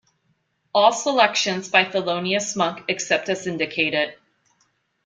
All selections by Thelonious Monk except as indicated.